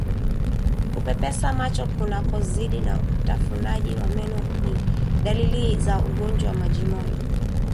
Kupepesa macho kunakozidi na utafunaji wa meno ni dalili za ugonjwa wa majimoyo